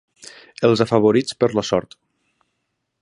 Els afavorits per la sort.